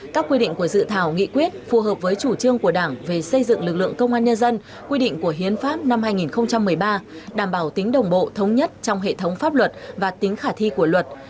các quy định của dự thảo nghị quyết phù hợp với chủ trương của đảng về xây dựng lực lượng công an nhân dân quy định của hiến pháp năm hai nghìn một mươi ba đảm bảo tính đồng bộ thống nhất trong hệ thống pháp luật và tính khả thi của luật